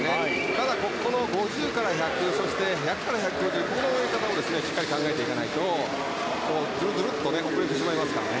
ただ、５０から１００１００から１５０のところをしっかり考えていかないとずるずると遅れてしまいますからね。